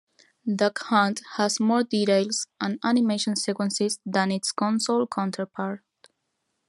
Duck Hunt has more details and animation sequences than its console counterpart.